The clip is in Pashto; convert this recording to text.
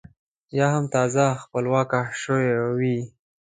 یا هم تازه خپلواکه شوې وي.